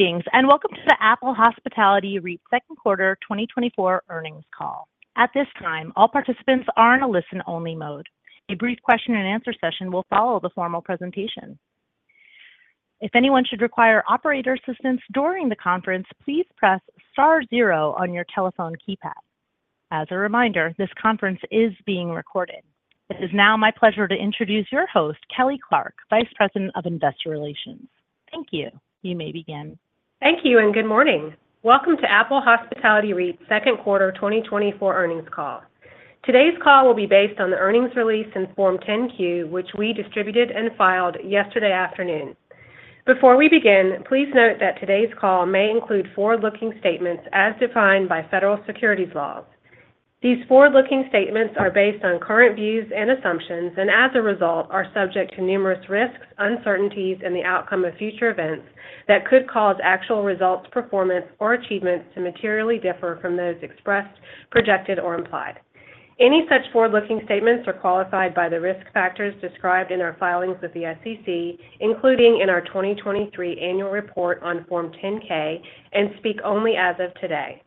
Greetings, and welcome to the Apple Hospitality REIT Second Quarter 2024 Earnings Call. At this time, all participants are in a listen-only mode. A brief question and answer session will follow the formal presentation. If anyone should require operator assistance during the conference, please press star zero on your telephone keypad. As a reminder, this conference is being recorded. It is now my pleasure to introduce your host, Kelly Clarke, Vice President of Investor Relations. Thank you. You may begin. Thank you, and good morning. Welcome to Apple Hospitality REIT's second quarter 2024 earnings call. Today's call will be based on the earnings release in Form 10-Q, which we distributed and filed yesterday afternoon. Before we begin, please note that today's call may include forward-looking statements as defined by federal securities laws. These forward-looking statements are based on current views and assumptions, and as a result, are subject to numerous risks, uncertainties, and the outcome of future events that could cause actual results, performance, or achievements to materially differ from those expressed, projected, or implied. Any such forward-looking statements are qualified by the risk factors described in our filings with the SEC, including in our 2023 Annual Report on Form 10-K, and speak only as of today.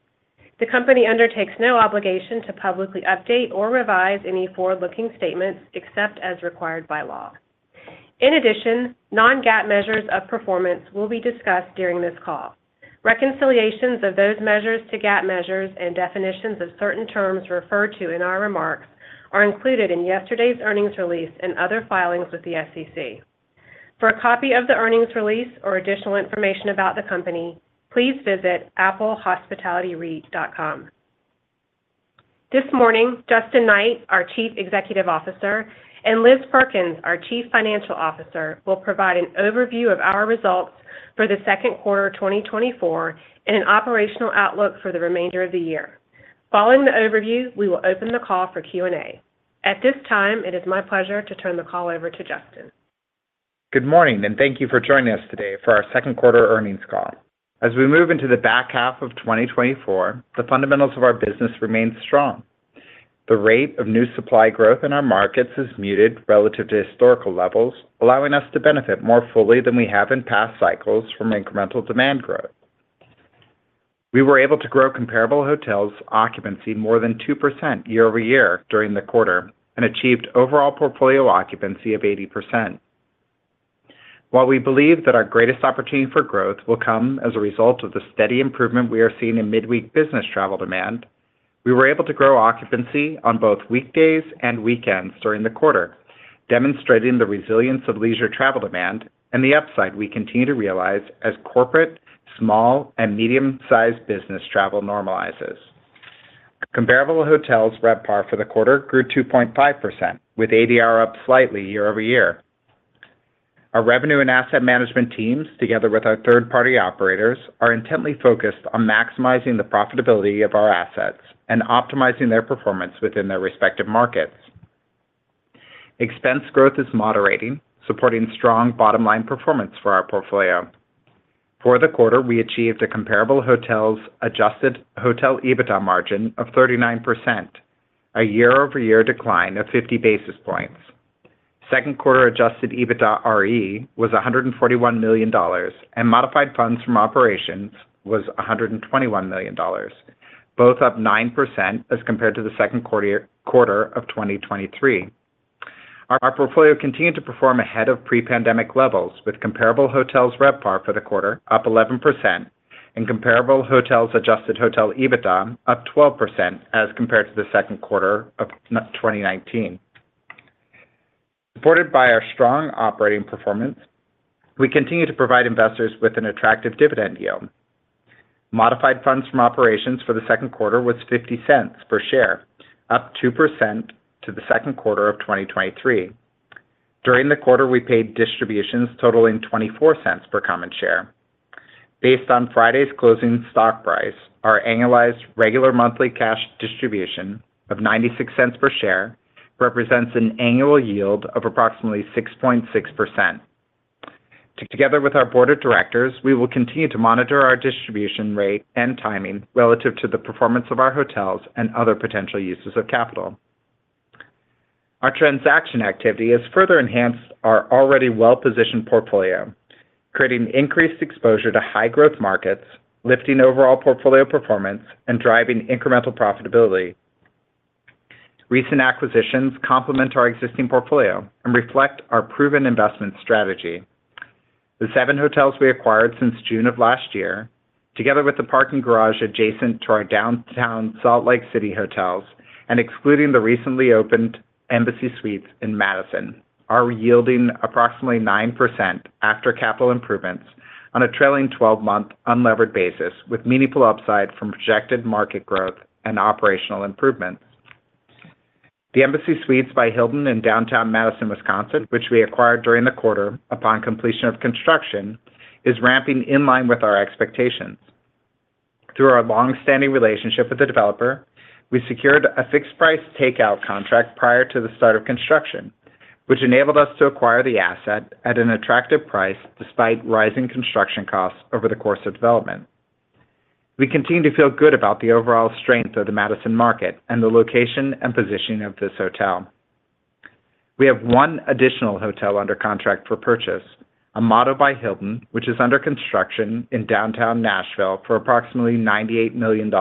The company undertakes no obligation to publicly update or revise any forward-looking statements except as required by law. In addition, non-GAAP measures of performance will be discussed during this call. Reconciliations of those measures to GAAP measures and definitions of certain terms referred to in our remarks are included in yesterday's earnings release and other filings with the SEC. For a copy of the earnings release or additional information about the company, please visit applehospitalityreit.com. This morning, Justin Knight, our Chief Executive Officer, and Liz Perkins, our Chief Financial Officer, will provide an overview of our results for the second quarter 2024 and an operational outlook for the remainder of the year. Following the overview, we will open the call for Q&A. At this time, it is my pleasure to turn the call over to Justin. Good morning, and thank you for joining us today for our second quarter earnings call. As we move into the back half of 2024, the fundamentals of our business remain strong. The rate of new supply growth in our markets is muted relative to historical levels, allowing us to benefit more fully than we have in past cycles from incremental demand growth. We were able to grow comparable hotels occupancy more than 2% year-over-year during the quarter and achieved overall portfolio occupancy of 80%. While we believe that our greatest opportunity for growth will come as a result of the steady improvement we are seeing in midweek business travel demand, we were able to grow occupancy on both weekdays and weekends during the quarter, demonstrating the resilience of leisure travel demand and the upside we continue to realize as corporate, small, and medium-sized business travel normalizes. Comparable hotels RevPAR for the quarter grew 2.5%, with ADR up slightly year-over-year. Our revenue and asset management teams, together with our third-party operators, are intently focused on maximizing the profitability of our assets and optimizing their performance within their respective markets. Expense growth is moderating, supporting strong bottom-line performance for our portfolio. For the quarter, we achieved a comparable hotels adjusted hotel EBITDA margin of 39%, a year-over-year decline of 50 basis points. Second quarter Adjusted EBITDAre was $141 million, and modified funds from operations was $121 million, both up 9% as compared to the second quarter of 2023. Our portfolio continued to perform ahead of pre-pandemic levels, with comparable hotels RevPAR for the quarter up 11% and comparable hotels adjusted hotel EBITDA up 12% as compared to the second quarter of 2019. Supported by our strong operating performance, we continue to provide investors with an attractive dividend yield. Modified funds from operations for the second quarter was $0.50 per share, up 2% to the second quarter of 2023. During the quarter, we paid distributions totaling $0.24 per common share. Based on Friday's closing stock price, our annualized regular monthly cash distribution of $0.96 per share represents an annual yield of approximately 6.6%. Together with our board of directors, we will continue to monitor our distribution rate and timing relative to the performance of our hotels and other potential uses of capital. Our transaction activity has further enhanced our already well-positioned portfolio, creating increased exposure to high-growth markets, lifting overall portfolio performance, and driving incremental profitability. Recent acquisitions complement our existing portfolio and reflect our proven investment strategy. The 7 hotels we acquired since June of last year, together with the parking garage adjacent to our downtown Salt Lake City hotels and excluding the recently opened Embassy Suites in Madison, are yielding approximately 9% after capital improvements on a trailing 12-month unlevered basis, with meaningful upside from projected market growth and operational improvements. The Embassy Suites by Hilton in downtown Madison, Wisconsin, which we acquired during the quarter upon completion of construction, is ramping in line with our expectations. Through our long-standing relationship with the developer, we secured a fixed price takeout contract prior to the start of construction, which enabled us to acquire the asset at an attractive price despite rising construction costs over the course of development. We continue to feel good about the overall strength of the Madison market and the location and positioning of this hotel.... We have one additional hotel under contract for purchase, a Motto by Hilton, which is under construction in downtown Nashville for approximately $98 million.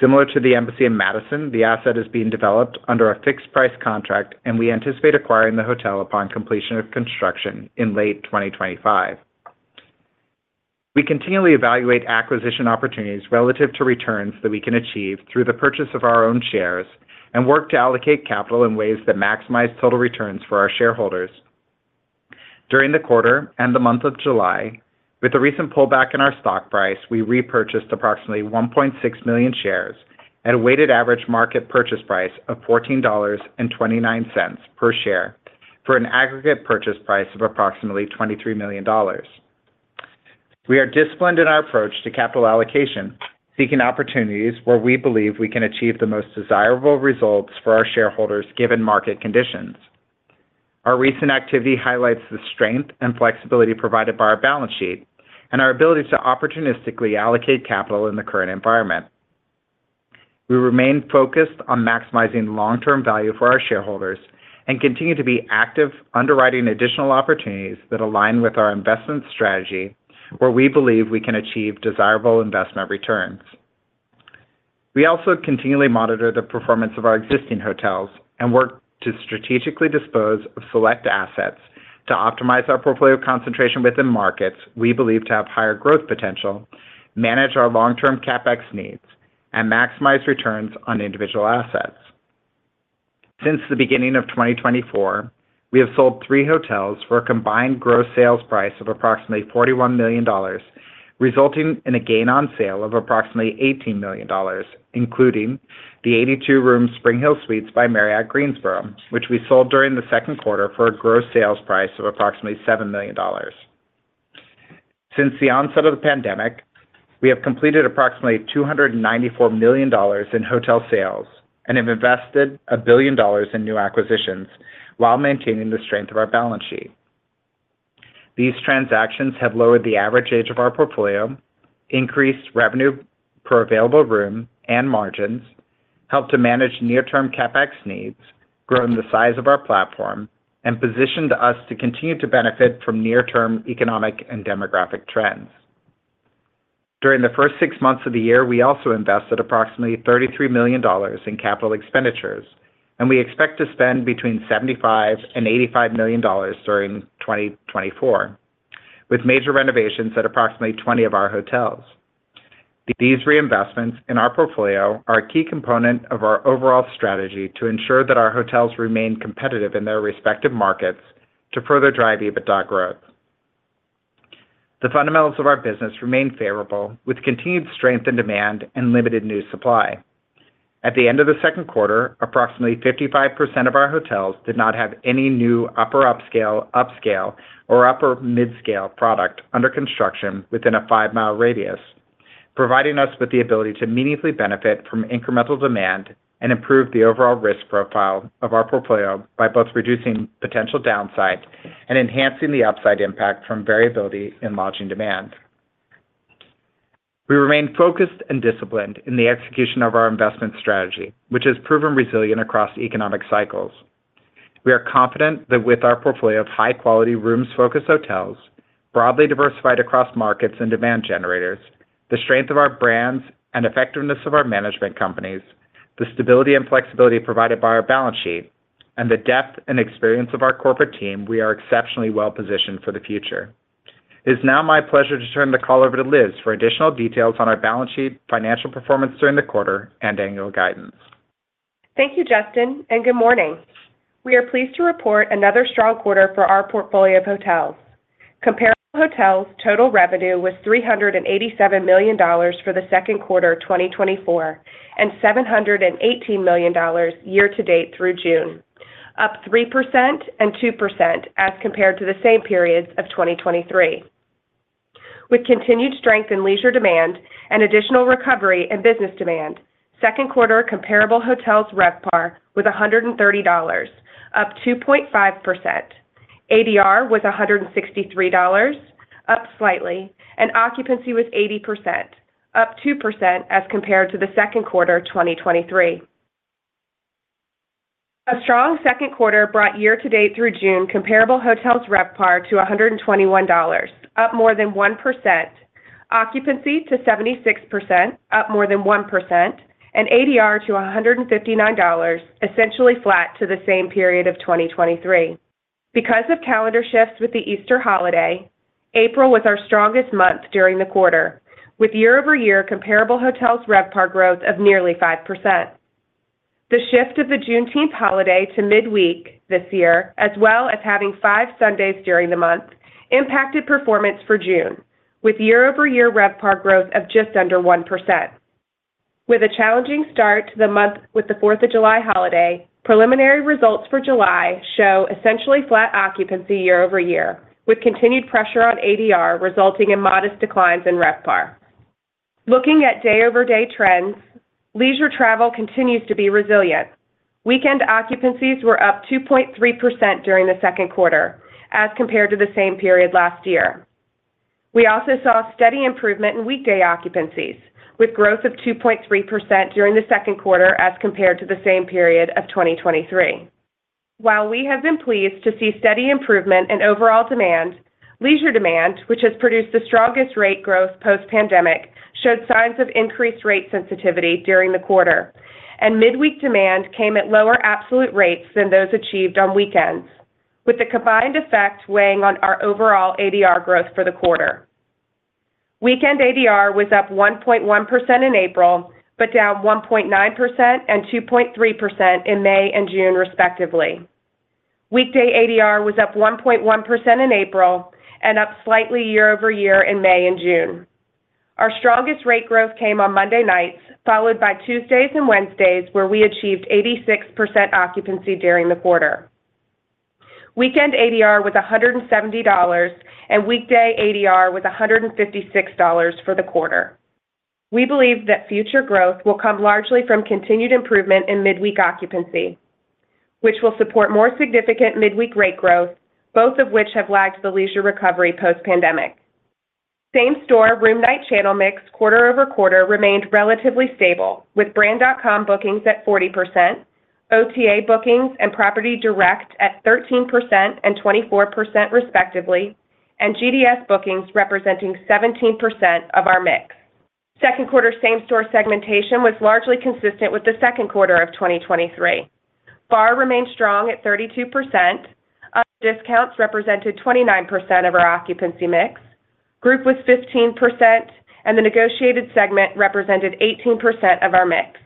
Similar to the Embassy in Madison, the asset is being developed under a fixed price contract, and we anticipate acquiring the hotel upon completion of construction in late 2025. We continually evaluate acquisition opportunities relative to returns that we can achieve through the purchase of our own shares and work to allocate capital in ways that maximize total returns for our shareholders. During the quarter and the month of July, with the recent pullback in our stock price, we repurchased approximately 1.6 million shares at a weighted average market purchase price of $14.29 per share for an aggregate purchase price of approximately $23 million. We are disciplined in our approach to capital allocation, seeking opportunities where we believe we can achieve the most desirable results for our shareholders, given market conditions. Our recent activity highlights the strength and flexibility provided by our balance sheet and our ability to opportunistically allocate capital in the current environment. We remain focused on maximizing long-term value for our shareholders and continue to be active, underwriting additional opportunities that align with our investment strategy, where we believe we can achieve desirable investment returns. We also continually monitor the performance of our existing hotels and work to strategically dispose of select assets to optimize our portfolio concentration within markets we believe to have higher growth potential, manage our long-term CapEx needs, and maximize returns on individual assets. Since the beginning of 2024, we have sold 3 hotels for a combined gross sales price of approximately $41 million, resulting in a gain on sale of approximately $18 million, including the 82-room SpringHill Suites by Marriott Greensboro, which we sold during the second quarter for a gross sales price of approximately $7 million. Since the onset of the pandemic, we have completed approximately $294 million in hotel sales and have invested $1 billion in new acquisitions while maintaining the strength of our balance sheet. These transactions have lowered the average age of our portfolio, increased revenue per available room and margins, helped to manage near-term CapEx needs, grown the size of our platform, and positioned us to continue to benefit from near-term economic and demographic trends. During the first six months of the year, we also invested approximately $33 million in capital expenditures, and we expect to spend between $75 million and $85 million during 2024, with major renovations at approximately 20 of our hotels. These reinvestments in our portfolio are a key component of our overall strategy to ensure that our hotels remain competitive in their respective markets to further drive EBITDA growth. The fundamentals of our business remain favorable, with continued strength in demand and limited new supply. At the end of the second quarter, approximately 55% of our hotels did not have any new upper upscale, upscale, or upper midscale product under construction within a five-mile radius, providing us with the ability to meaningfully benefit from incremental demand and improve the overall risk profile of our portfolio by both reducing potential downside and enhancing the upside impact from variability in lodging demand. We remain focused and disciplined in the execution of our investment strategy, which has proven resilient across economic cycles. We are confident that with our portfolio of high-quality rooms-focused hotels, broadly diversified across markets and demand generators, the strength of our brands and effectiveness of our management companies, the stability and flexibility provided by our balance sheet, and the depth and experience of our corporate team, we are exceptionally well positioned for the future. It is now my pleasure to turn the call over to Liz for additional details on our balance sheet, financial performance during the quarter, and annual guidance. Thank you, Justin, and good morning. We are pleased to report another strong quarter for our portfolio of hotels. Comparable hotels' total revenue was $387 million for the second quarter of 2024, and $718 million year to date through June, up 3% and 2% as compared to the same periods of 2023. With continued strength in leisure demand and additional recovery in business demand, second quarter comparable hotels' RevPAR was $130, up 2.5%. ADR was $163, up slightly, and occupancy was 80%, up 2% as compared to the second quarter of 2023. A strong second quarter brought year-to-date through June comparable hotels' RevPAR to $121, up more than 1%, occupancy to 76%, up more than 1%, and ADR to $159, essentially flat to the same period of 2023. Because of calendar shifts with the Easter holiday, April was our strongest month during the quarter, with year-over-year comparable hotels' RevPAR growth of nearly 5%. The shift of the Juneteenth holiday to midweek this year, as well as having 5 Sundays during the month, impacted performance for June, with year-over-year RevPAR growth of just under 1%. With a challenging start to the month with the Fourth of July holiday, preliminary results for July show essentially flat occupancy year-over-year, with continued pressure on ADR, resulting in modest declines in RevPAR. Looking at day-over-day trends, leisure travel continues to be resilient. Weekend occupancies were up 2.3% during the second quarter as compared to the same period last year... We also saw steady improvement in weekday occupancies, with growth of 2.3% during the second quarter as compared to the same period of 2023. While we have been pleased to see steady improvement in overall demand, leisure demand, which has produced the strongest rate growth post-pandemic, showed signs of increased rate sensitivity during the quarter, and midweek demand came at lower absolute rates than those achieved on weekends, with the combined effect weighing on our overall ADR growth for the quarter. Weekend ADR was up 1.1% in April, but down 1.9% and 2.3% in May and June, respectively. Weekday ADR was up 1.1% in April and up slightly year-over-year in May and June. Our strongest rate growth came on Monday nights, followed by Tuesdays and Wednesdays, where we achieved 86% occupancy during the quarter. Weekend ADR was $170, and weekday ADR was $156 for the quarter. We believe that future growth will come largely from continued improvement in midweek occupancy, which will support more significant midweek rate growth, both of which have lagged the leisure recovery post-pandemic. Same-store room night channel mix, quarter-over-quarter, remained relatively stable, with brand.com bookings at 40%, OTA bookings and property direct at 13% and 24% respectively, and GDS bookings representing 17% of our mix. Second quarter same-store segmentation was largely consistent with the second quarter of 2023. Bar remained strong at 32%, discounts represented 29% of our occupancy mix, group was 15%, and the negotiated segment represented 18% of our mix.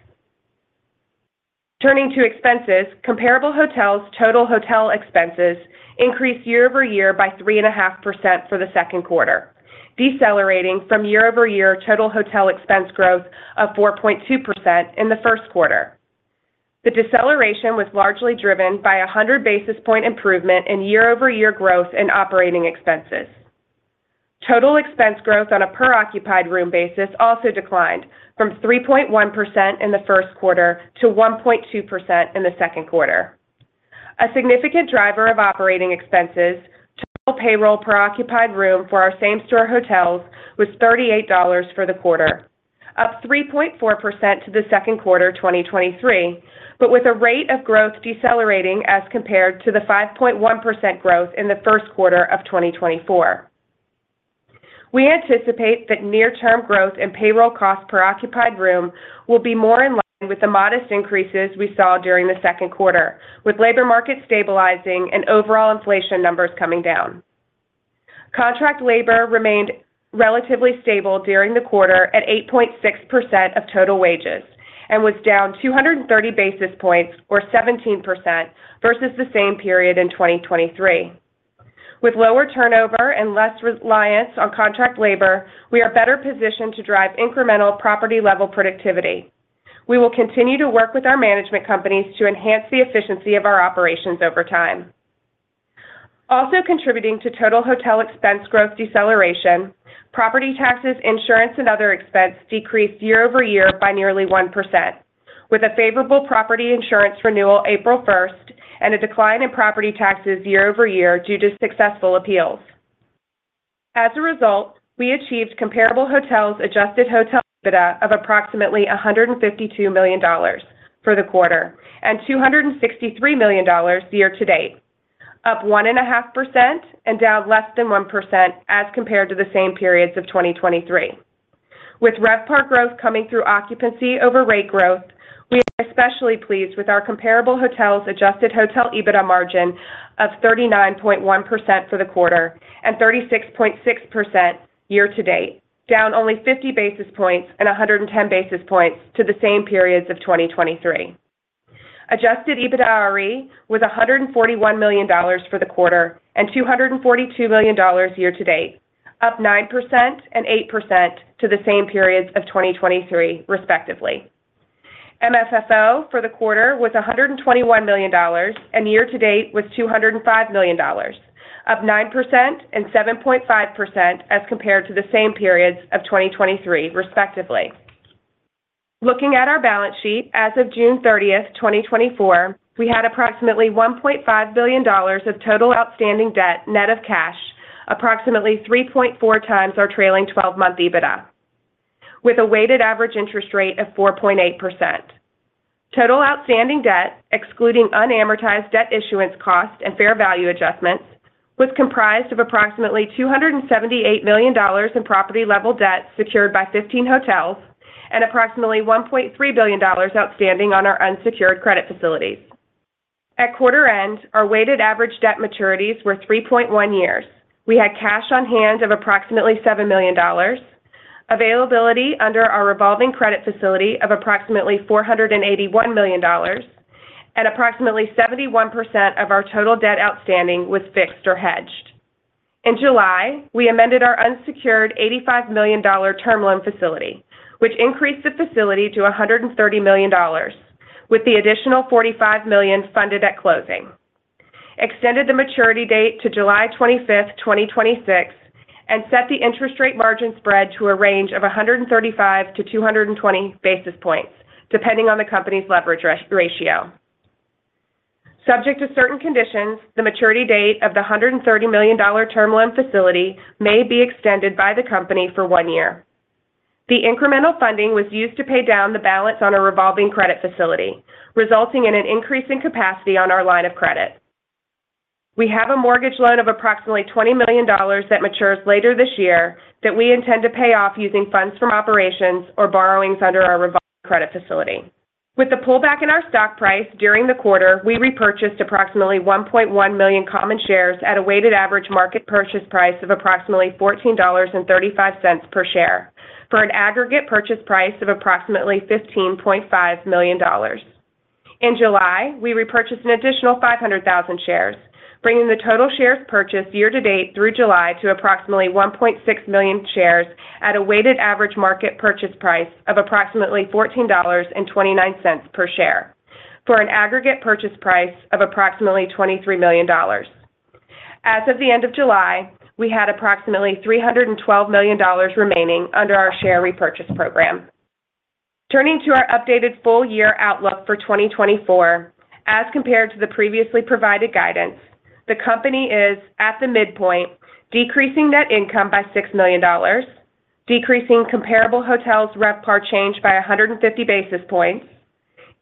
Turning to expenses, comparable hotels' total hotel expenses increased year over year by 3.5% for the second quarter, decelerating from year-over-year total hotel expense growth of 4.2% in the first quarter. The deceleration was largely driven by a 100 basis point improvement in year-over-year growth in operating expenses. Total expense growth on a per occupied room basis also declined from 3.1% in the first quarter to 1.2% in the second quarter. A significant driver of operating expenses, total payroll per occupied room for our same store hotels was $38 for the quarter, up 3.4% to the second quarter 2023, but with a rate of growth decelerating as compared to the 5.1% growth in the first quarter of 2024. We anticipate that near term growth in payroll costs per occupied room will be more in line with the modest increases we saw during the second quarter, with labor markets stabilizing and overall inflation numbers coming down. Contract labor remained relatively stable during the quarter at 8.6% of total wages and was down 230 basis points or 17% versus the same period in 2023. With lower turnover and less reliance on contract labor, we are better positioned to drive incremental property-level productivity. We will continue to work with our management companies to enhance the efficiency of our operations over time. Also contributing to total hotel expense growth deceleration, property taxes, insurance, and other expenses decreased year over year by nearly 1%, with a favorable property insurance renewal April 1 and a decline in property taxes year over year due to successful appeals. As a result, we achieved comparable hotels adjusted hotel EBITDA of approximately $152 million for the quarter and $263 million year to date, up 1.5% and down less than 1% as compared to the same periods of 2023. With RevPAR growth coming through occupancy over rate growth, we are especially pleased with our comparable hotels' adjusted hotel EBITDA margin of 39.1% for the quarter and 36.6% year to date, down only 50 basis points and 110 basis points to the same periods of 2023. Adjusted EBITDAre was $141 million for the quarter and $242 million year to date, up 9% and 8% to the same periods of 2023, respectively. MFFO for the quarter was $121 million, and year to date was $205 million, up 9% and 7.5% as compared to the same periods of 2023, respectively. Looking at our balance sheet as of June 30, 2024, we had approximately $1.5 billion of total outstanding debt, net of cash, approximately 3.4 times our trailing 12-month EBITDA, with a weighted average interest rate of 4.8%. Total outstanding debt, excluding unamortized debt issuance costs and fair value adjustments, was comprised of approximately $278 million in property-level debt secured by 15 hotels and approximately $1.3 billion outstanding on our unsecured credit facilities. At quarter end, our weighted average debt maturities were 3.1 years. We had cash on hand of approximately $7 million, availability under our revolving credit facility of approximately $481 million, and approximately 71% of our total debt outstanding was fixed or hedged. In July, we amended our unsecured $85 million term loan facility, which increased the facility to $130 million, with the additional $45 million funded at closing, extended the maturity date to July 25, 2026, and set the interest rate margin spread to a range of 135-220 basis points, depending on the company's leverage ratio. Subject to certain conditions, the maturity date of the $130 million term loan facility may be extended by the company for one year. The incremental funding was used to pay down the balance on a revolving credit facility, resulting in an increase in capacity on our line of credit. We have a mortgage loan of approximately $20 million that matures later this year, that we intend to pay off using funds from operations or borrowings under our revolving credit facility. With the pullback in our stock price during the quarter, we repurchased approximately 1.1 million common shares at a weighted average market purchase price of approximately $14.35 per share, for an aggregate purchase price of approximately $15.5 million. In July, we repurchased an additional 500,000 shares, bringing the total shares purchased year-to-date through July to approximately 1.6 million shares at a weighted average market purchase price of approximately $14.29 per share, for an aggregate purchase price of approximately $23 million. As of the end of July, we had approximately $312 million remaining under our share repurchase program. Turning to our updated full-year outlook for 2024, as compared to the previously provided guidance, the company is, at the midpoint, decreasing net income by $6 million, decreasing comparable hotels' RevPAR change by 150 basis points,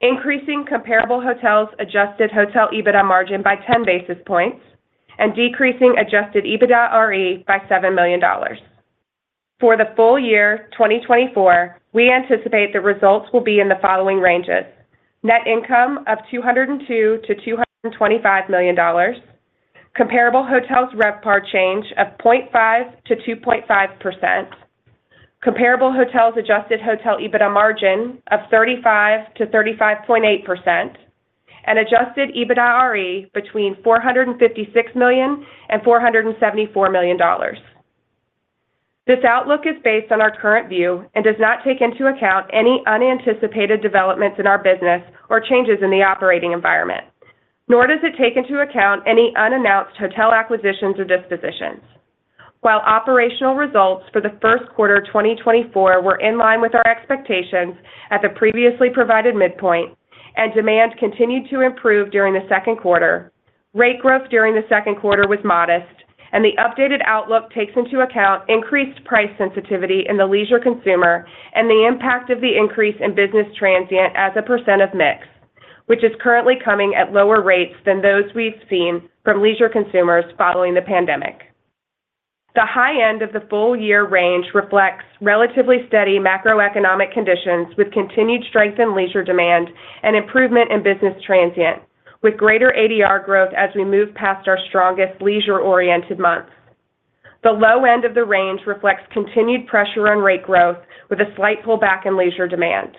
increasing comparable hotels' adjusted hotel EBITDA margin by 10 basis points, and decreasing adjusted EBITDAre by $7 million. For the full year, 2024, we anticipate the results will be in the following ranges: Net income of $202 million-$225 million, comparable hotels RevPAR change of 0.5%-2.5%, comparable hotels adjusted hotel EBITDA margin of 35%-35.8%, and adjusted EBITDAre between $456 million and $474 million. This outlook is based on our current view and does not take into account any unanticipated developments in our business or changes in the operating environment, nor does it take into account any unannounced hotel acquisitions or dispositions. While operational results for the first quarter, 2024, were in line with our expectations at the previously provided midpoint, and demand continued to improve during the second quarter, rate growth during the second quarter was modest, and the updated outlook takes into account increased price sensitivity in the leisure consumer and the impact of the increase in business transient as a percent of mix, which is currently coming at lower rates than those we've seen from leisure consumers following the pandemic. The high end of the full year range reflects relatively steady macroeconomic conditions, with continued strength in leisure demand and improvement in business transient, with greater ADR growth as we move past our strongest leisure-oriented months. The low end of the range reflects continued pressure on rate growth with a slight pullback in leisure demand.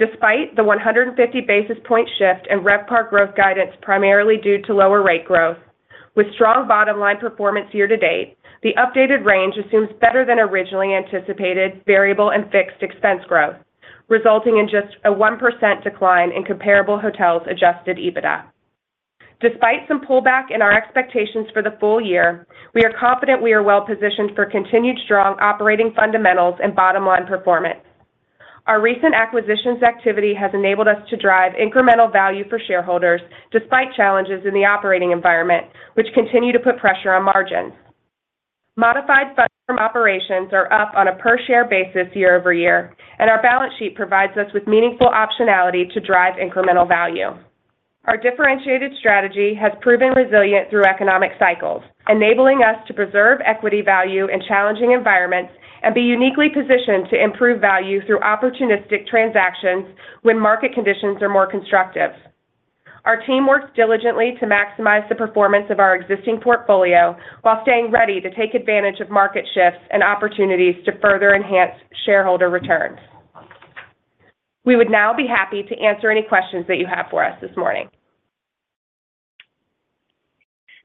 Despite the 150 basis point shift in RevPAR growth guidance, primarily due to lower rate growth, with strong bottom-line performance year to date, the updated range assumes better than originally anticipated variable and fixed expense growth, resulting in just a 1% decline in comparable hotels adjusted EBITDA. Despite some pullback in our expectations for the full year, we are confident we are well positioned for continued strong operating fundamentals and bottom-line performance. Our recent acquisitions activity has enabled us to drive incremental value for shareholders, despite challenges in the operating environment, which continue to put pressure on margins. Modified funds from operations are up on a per-share basis year-over-year, and our balance sheet provides us with meaningful optionality to drive incremental value. Our differentiated strategy has proven resilient through economic cycles, enabling us to preserve equity value in challenging environments and be uniquely positioned to improve value through opportunistic transactions when market conditions are more constructive. Our team works diligently to maximize the performance of our existing portfolio while staying ready to take advantage of market shifts and opportunities to further enhance shareholder returns. We would now be happy to answer any questions that you have for us this morning.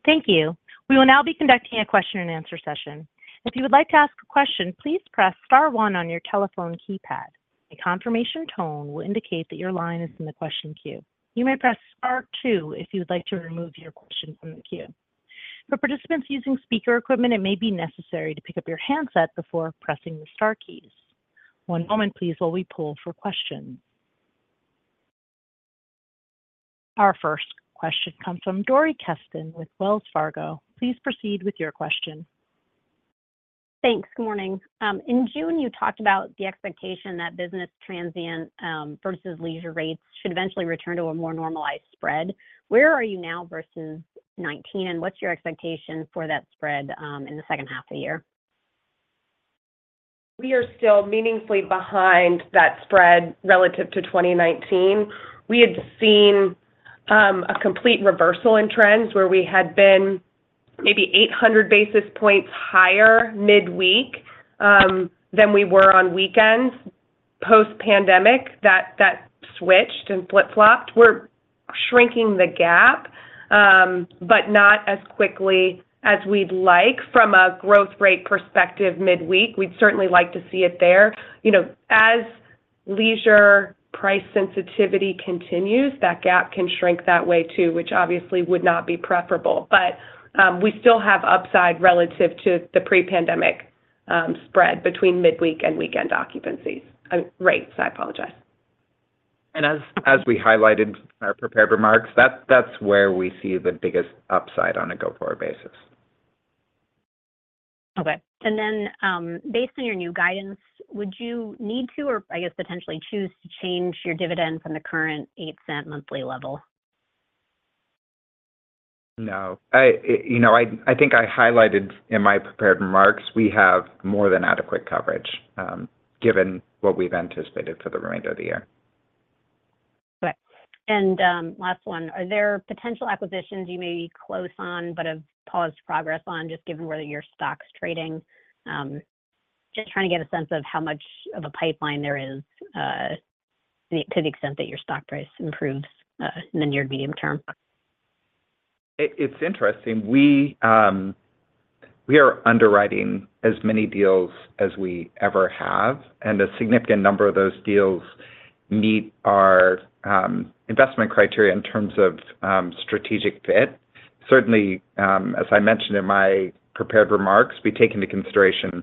Thank you. We will now be conducting a question and answer session. If you would like to ask a question, please press star one on your telephone keypad. A confirmation tone will indicate that your line is in the question queue. You may press star two if you would like to remove your question from the queue. For participants using speaker equipment, it may be necessary to pick up your handset before pressing the star keys. One moment, please, while we pull for questions. Our first question comes from Dori Kesten with Wells Fargo. Please proceed with your question. Thanks. Good morning. In June, you talked about the expectation that business transient versus leisure rates should eventually return to a more normalized spread. Where are you now versus 2019, and what's your expectation for that spread in the second half of the year? We are still meaningfully behind that spread relative to 2019. We had seen a complete reversal in trends where we had been maybe 800 basis points higher midweek than we were on weekends. Post-pandemic, that switched and flip-flopped. We're shrinking the gap, but not as quickly as we'd like from a growth rate perspective midweek. We'd certainly like to see it there. You know, as leisure price sensitivity continues, that gap can shrink that way, too, which obviously would not be preferable, but we still have upside relative to the pre-pandemic spread between midweek and weekend occupancies. Rates, I apologize. As we highlighted in our prepared remarks, that's where we see the biggest upside on a go-forward basis. Okay. And then, based on your new guidance, would you need to, or I guess, potentially choose to change your dividend from the current $0.08 monthly level? No. I, you know, I, I think I highlighted in my prepared remarks, we have more than adequate coverage, given what we've anticipated for the remainder of the year. Okay. And last one: Are there potential acquisitions you may be close on, but have paused progress on, just given where your stock's trading? Just trying to get a sense of how much of a pipeline there is, to the extent that your stock price improves, in the near medium term. It's interesting, we are underwriting as many deals as we ever have, and a significant number of those deals meet our investment criteria in terms of strategic fit. Certainly, as I mentioned in my prepared remarks, we take into consideration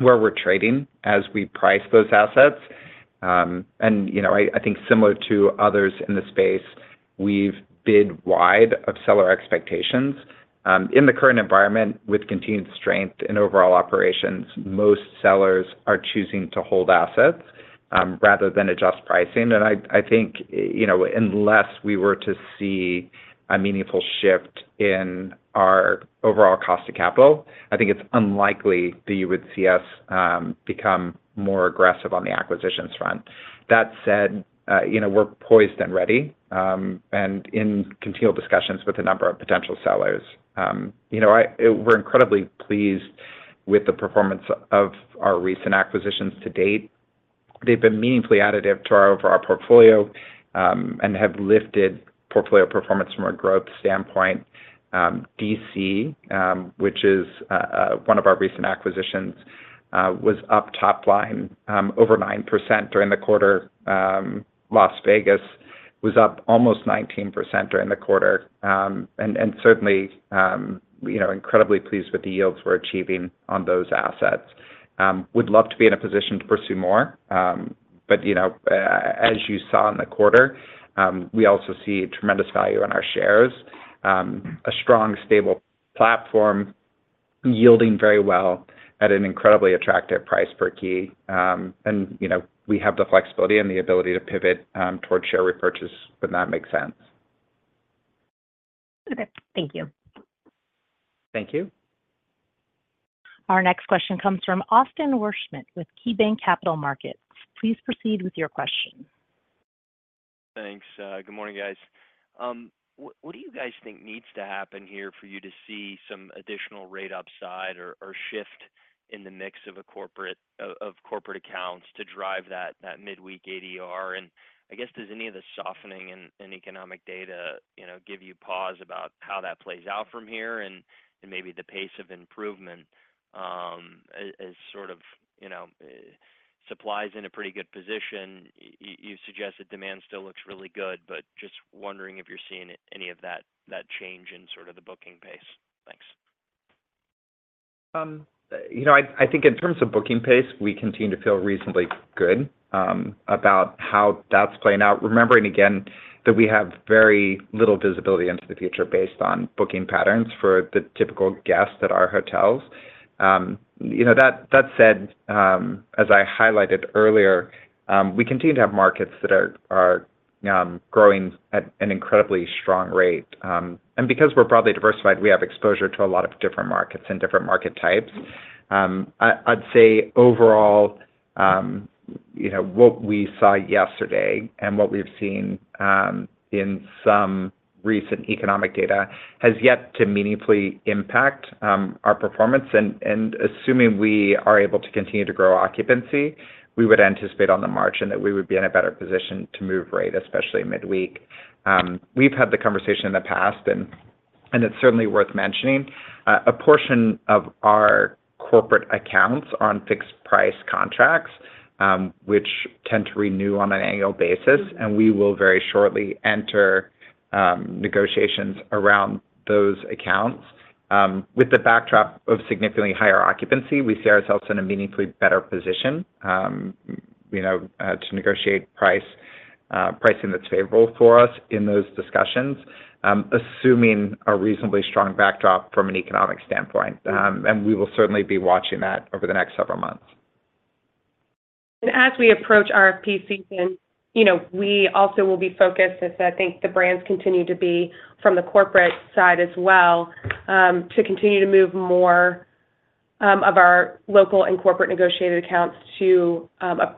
where we're trading as we price those assets. And, you know, I think similar to others in the space, we've bid wide of seller expectations. In the current environment, with continued strength in overall operations, most sellers are choosing to hold assets rather than adjust pricing. And I think, you know, unless we were to see a meaningful shift in our overall cost of capital, I think it's unlikely that you would see us become more aggressive on the acquisitions front. That said, you know, we're poised and ready, and in continual discussions with a number of potential sellers. You know, we're incredibly pleased with the performance of our recent acquisitions to date. They've been meaningfully additive to our overall portfolio, and have lifted portfolio performance from a growth standpoint. DC, which is one of our recent acquisitions, was up top line over 9% during the quarter. Las Vegas was up almost 19% during the quarter. And certainly, you know, incredibly pleased with the yields we're achieving on those assets. Would love to be in a position to pursue more, but you know, as you saw in the quarter, we also see tremendous value in our shares. A strong, stable platform yielding very well at an incredibly attractive price per key. And, you know, we have the flexibility and the ability to pivot towards share repurchase when that makes sense. Okay. Thank you. Thank you. Our next question comes from Austin Wurschmidt with KeyBanc Capital Markets. Please proceed with your question. Thanks. Good morning, guys. What, what do you guys think needs to happen here for you to see some additional rate upside or, or shift in the mix of a corporate—of, of corporate accounts to drive that, that midweek ADR? And I guess, does any of the softening in, in economic data, you know, give you pause about how that plays out from here, and, and maybe the pace of improvement, as, as sort of, you know, supply's in a pretty good position? You suggest that demand still looks really good, but just wondering if you're seeing any of that, that change in sort of the booking pace. Thanks. You know, I think in terms of booking pace, we continue to feel reasonably good about how that's playing out, remembering again that we have very little visibility into the future based on booking patterns for the typical guests at our hotels. You know, that said, as I highlighted earlier, we continue to have markets that are growing at an incredibly strong rate. And because we're broadly diversified, we have exposure to a lot of different markets and different market types. I'd say overall, you know, what we saw yesterday and what we've seen in some recent economic data has yet to meaningfully impact our performance. Assuming we are able to continue to grow occupancy, we would anticipate on the margin that we would be in a better position to move rate, especially midweek. We've had the conversation in the past, and it's certainly worth mentioning, a portion of our corporate accounts are on fixed price contracts, which tend to renew on an annual basis, and we will very shortly enter negotiations around those accounts. With the backdrop of significantly higher occupancy, we see ourselves in a meaningfully better position, you know, to negotiate price, pricing that's favorable for us in those discussions, assuming a reasonably strong backdrop from an economic standpoint. And we will certainly be watching that over the next several months. As we approach RFP season, you know, we also will be focused, as I think the brands continue to be from the corporate side as well, to continue to move more of our local and corporate negotiated accounts to a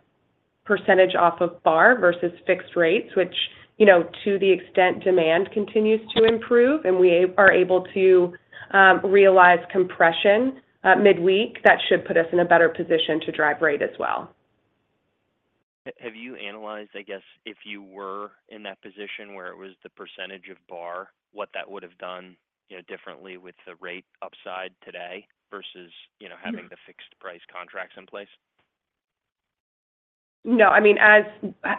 percentage off of bar versus fixed rates. Which, you know, to the extent demand continues to improve and we are able to realize compression midweek, that should put us in a better position to drive rate as well. Have you analyzed, I guess, if you were in that position where it was the percentage of bar, what that would have done, you know, differently with the rate upside today versus, you know, having- Mm-hmm... the fixed price contracts in place?... No, I mean, as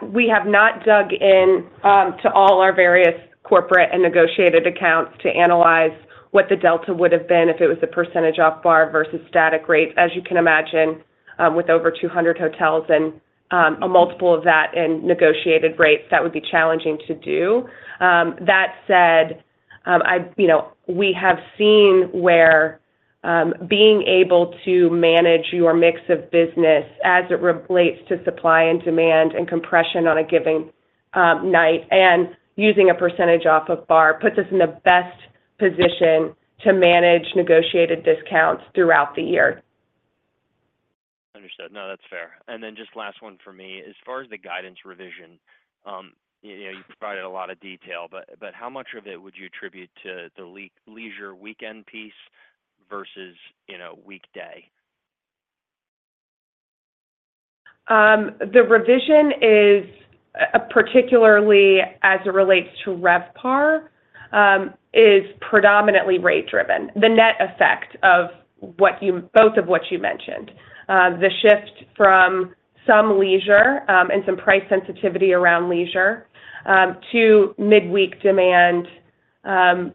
we have not dug in to all our various corporate and negotiated accounts to analyze what the delta would have been if it was a percentage off bar versus static rate. As you can imagine, with over 200 hotels and a multiple of that in negotiated rates, that would be challenging to do. That said, you know, we have seen where being able to manage your mix of business as it relates to supply and demand and compression on a given night and using a percentage off of bar puts us in the best position to manage negotiated discounts throughout the year. Understood. No, that's fair. And then just last one for me. As far as the guidance revision, you know, you provided a lot of detail, but, but how much of it would you attribute to the leisure weekend piece versus, you know, weekday? The revision is, particularly as it relates to RevPAR, is predominantly rate-driven. The net effect of what you-- both of what you mentioned, the shift from some leisure, and some price sensitivity around leisure, to midweek demand,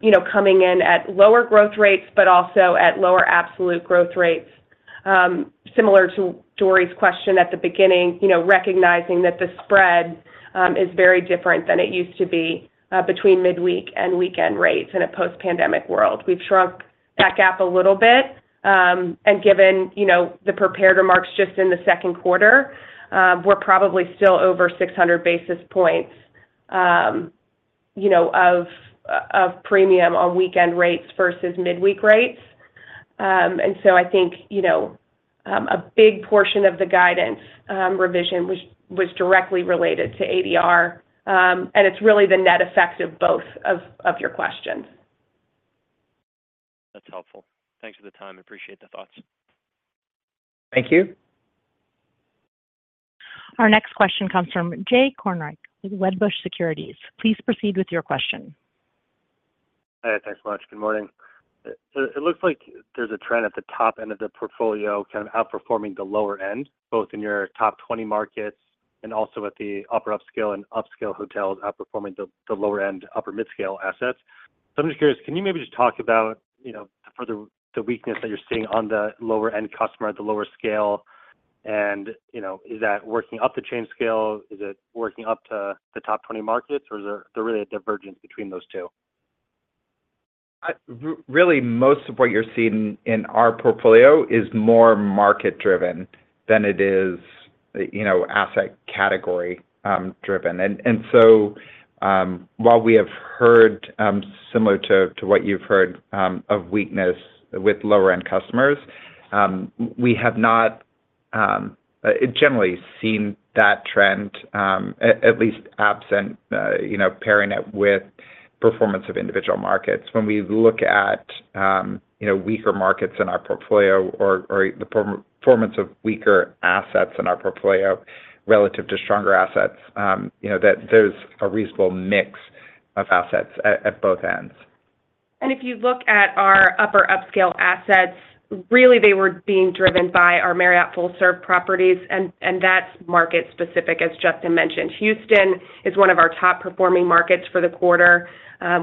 you know, coming in at lower growth rates, but also at lower absolute growth rates. Similar to Dori's question at the beginning, you know, recognizing that the spread, is very different than it used to be, between midweek and weekend rates in a post-pandemic world. We've shrunk that gap a little bit, and given, you know, the prepared remarks just in the second quarter, we're probably still over 600 basis points, you know, of, of premium on weekend rates versus midweek rates. And so I think, you know, a big portion of the guidance revision was directly related to ADR, and it's really the net effect of both of your questions. That's helpful. Thanks for the time. Appreciate the thoughts. Thank you. Our next question comes from Jay Kornreich with Wedbush Securities. Please proceed with your question. Hi, thanks so much. Good morning. So it looks like there's a trend at the top end of the portfolio, kind of outperforming the lower end, both in your top 20 markets and also at the upper upscale and upscale hotels outperforming the, the lower end, upper mid-scale assets. So I'm just curious, can you maybe just talk about, you know, for the, the weakness that you're seeing on the lower end customer at the lower scale, and, you know, is that working up the chain scale? Is it working up to the top 20 markets, or is there really a divergence between those two? Really, most of what you're seeing in our portfolio is more market driven than it is, you know, asset category driven. So, while we have heard, similar to what you've heard, of weakness with lower-end customers, we have not generally seen that trend, at least absent, you know, pairing it with performance of individual markets. When we look at, you know, weaker markets in our portfolio or the performance of weaker assets in our portfolio relative to stronger assets, you know, that there's a reasonable mix of assets at both ends. If you look at our Upper Upscale assets, really, they were being driven by our Marriott full-serve properties, and that's market specific, as Justin mentioned. Houston is one of our top-performing markets for the quarter.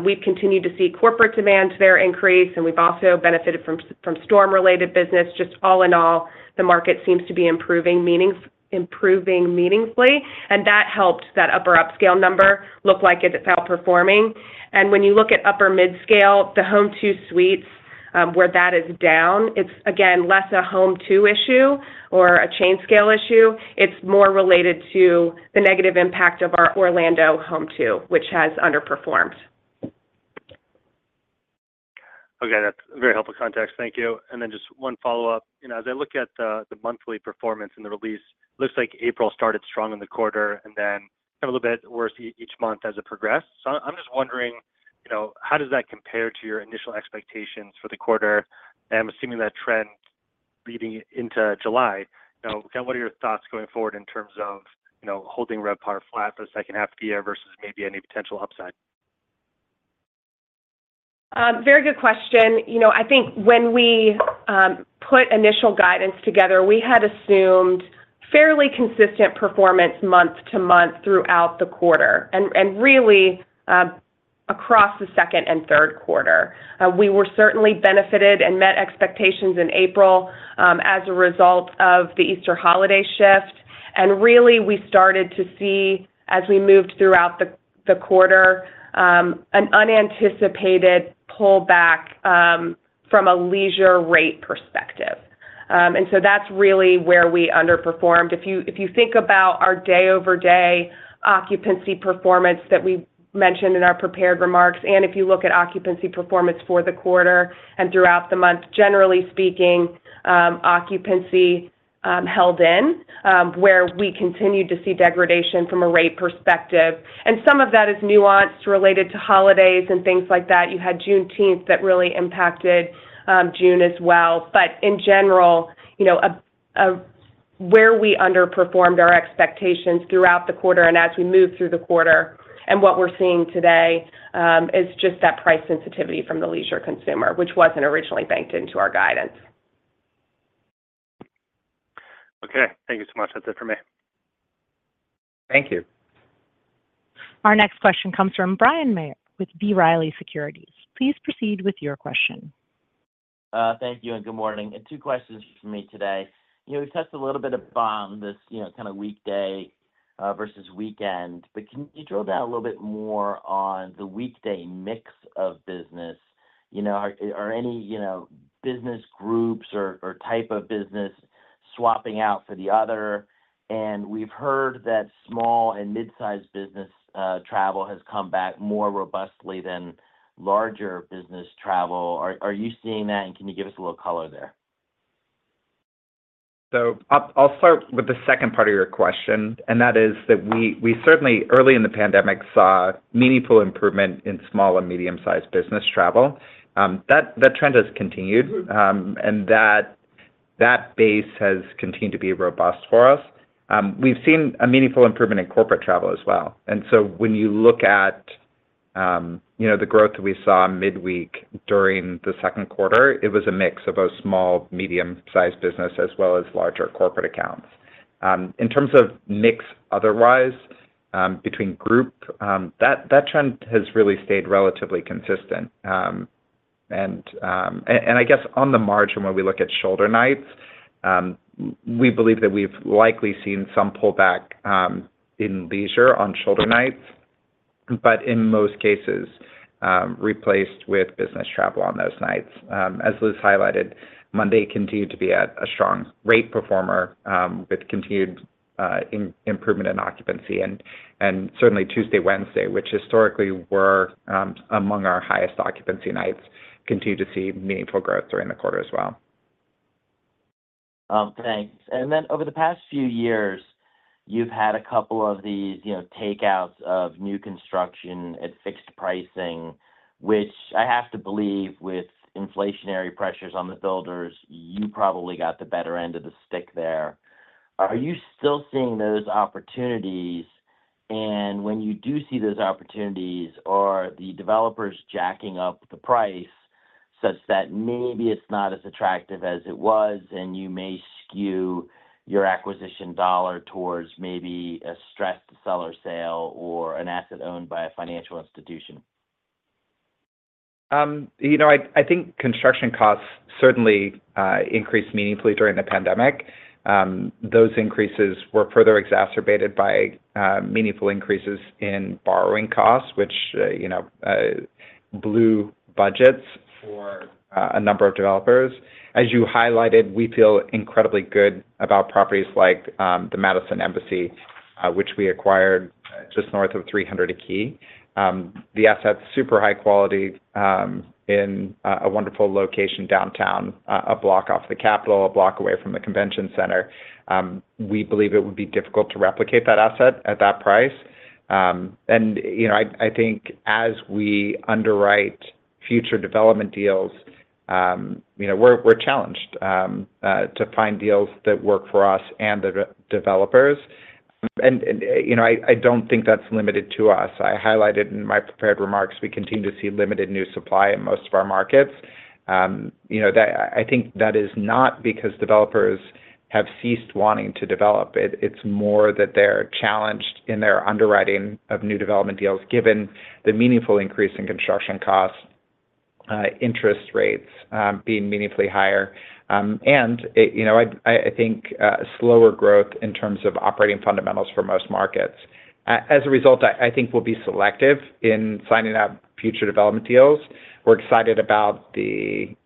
We've continued to see corporate demand there increase, and we've also benefited from storm-related business. Just all in all, the market seems to be improving meaningfully, and that helped that Upper Upscale number look like it's outperforming. When you look at Upper Midscale, the Home2 Suites, where that is down, it's again, less a Home2 issue or a Chain Scale issue. It's more related to the negative impact of our Orlando Home2, which has underperformed. Okay, that's a very helpful context. Thank you. And then just one follow-up. You know, as I look at the monthly performance in the release, it looks like April started strong in the quarter and then a little bit worse each month as it progressed. So I'm just wondering, you know, how does that compare to your initial expectations for the quarter? I'm assuming that trend leading into July. You know, what are your thoughts going forward in terms of, you know, holding RevPAR flat for the second half of the year versus maybe any potential upside? Very good question. You know, I think when we put initial guidance together, we had assumed fairly consistent performance month to month throughout the quarter, and really across the second and third quarter. We were certainly benefited and met expectations in April as a result of the Easter holiday shift. And really, we started to see as we moved throughout the quarter an unanticipated pullback from a leisure rate perspective. And so that's really where we underperformed. If you think about our day-over-day occupancy performance that we mentioned in our prepared remarks, and if you look at occupancy performance for the quarter and throughout the month, generally speaking, occupancy held in where we continued to see degradation from a rate perspective. And some of that is nuanced, related to holidays and things like that. You had Juneteenth that really impacted June as well. But in general, you know, where we underperformed our expectations throughout the quarter and as we moved through the quarter and what we're seeing today is just that price sensitivity from the leisure consumer, which wasn't originally banked into our guidance. ... Okay, thank you so much. That's it for me. Thank you. Our next question comes from Bryan Maher with B. Riley Securities. Please proceed with your question. Thank you, and good morning. Two questions for me today. You know, we touched a little bit upon this, you know, kind of weekday versus weekend, but can you drill down a little bit more on the weekday mix of business? You know, are any, you know, business groups or type of business swapping out for the other? And we've heard that small and mid-sized business travel has come back more robustly than larger business travel. Are you seeing that, and can you give us a little color there? So I'll start with the second part of your question, and that is that we certainly, early in the pandemic, saw meaningful improvement in small and medium-sized business travel. That trend has continued, and that base has continued to be robust for us. We've seen a meaningful improvement in corporate travel as well. And so when you look at, you know, the growth that we saw midweek during the second quarter, it was a mix of both small, medium-sized business as well as larger corporate accounts. In terms of mix otherwise, between group, that trend has really stayed relatively consistent. I guess on the margin, when we look at shoulder nights, we believe that we've likely seen some pullback in leisure on shoulder nights, but in most cases, replaced with business travel on those nights. As Liz highlighted, Monday continued to be a strong rate performer with continued improvement in occupancy, and certainly Tuesday, Wednesday, which historically were among our highest occupancy nights, continued to see meaningful growth during the quarter as well. Thanks. And then over the past few years, you've had a couple of these, you know, takeouts of new construction at fixed pricing, which I have to believe with inflationary pressures on the builders, you probably got the better end of the stick there. Are you still seeing those opportunities? And when you do see those opportunities, are the developers jacking up the price such that maybe it's not as attractive as it was, and you may skew your acquisition dollar towards maybe a stressed seller sale or an asset owned by a financial institution? You know, I think construction costs certainly increased meaningfully during the pandemic. Those increases were further exacerbated by meaningful increases in borrowing costs, which you know blew budgets for a number of developers. As you highlighted, we feel incredibly good about properties like the Madison Embassy, which we acquired just north of $300 a key. The asset's super high quality in a wonderful location downtown, a block off the capital, a block away from the convention center. We believe it would be difficult to replicate that asset at that price. And you know, I think as we underwrite future development deals, you know, we're challenged to find deals that work for us and the developers. And you know, I don't think that's limited to us. I highlighted in my prepared remarks, we continue to see limited new supply in most of our markets. You know, I think that is not because developers have ceased wanting to develop. It's more that they're challenged in their underwriting of new development deals, given the meaningful increase in construction costs, interest rates, being meaningfully higher. And, you know, I think slower growth in terms of operating fundamentals for most markets. As a result, I think we'll be selective in signing up future development deals. We're excited about the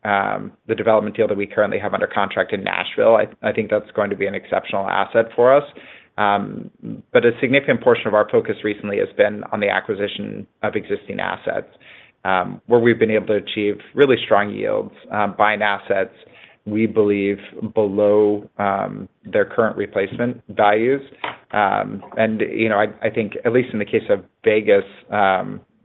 development deal that we currently have under contract in Nashville. I think that's going to be an exceptional asset for us. But a significant portion of our focus recently has been on the acquisition of existing assets, where we've been able to achieve really strong yields, buying assets, we believe, below their current replacement values. You know, I, I think, at least in the case of Vegas,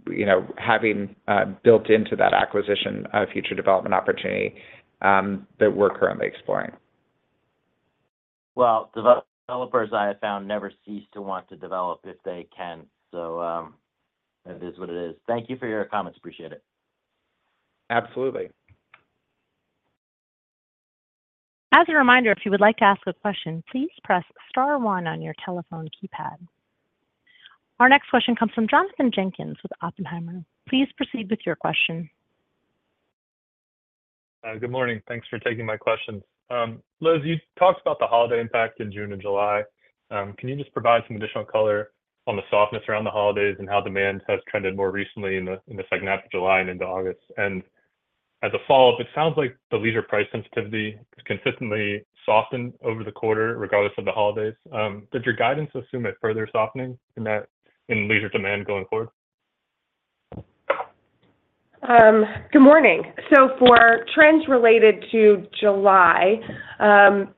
you know, having built into that acquisition a future development opportunity, that we're currently exploring. Well, developers I have found, never cease to want to develop if they can. So, it is what it is. Thank you for your comments. Appreciate it. Absolutely. As a reminder, if you would like to ask a question, please press star one on your telephone keypad. Our next question comes from Jonathan Jenkins with Oppenheimer. Please proceed with your question. Good morning. Thanks for taking my questions. Liz, you talked about the holiday impact in June and July. Can you just provide some additional color on the softness around the holidays and how demand has trended more recently in the second half of July and into August? And as a follow-up, it sounds like the leisure price sensitivity has consistently softened over the quarter, regardless of the holidays. Does your guidance assume a further softening in that leisure demand going forward? Good morning. So for trends related to July,